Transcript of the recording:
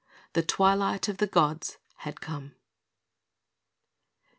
The Twilight of the Gods had come!